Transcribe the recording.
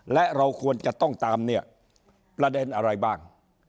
และเราควรจะต้องตามเนี่ยประเด็นอะไรบ้าง